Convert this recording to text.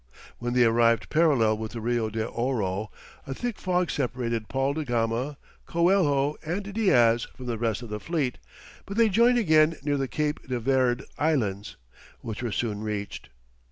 When they arrived parallel with the Rio de Ouro, a thick fog separated Paul da Gama, Coelho, and Diaz from the rest of the fleet, but they joined again near the Cape de Verd Islands, which were soon reached.